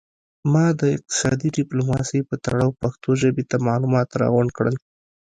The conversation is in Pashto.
ما د اقتصادي ډیپلوماسي په تړاو پښتو ژبې ته معلومات را غونډ کړل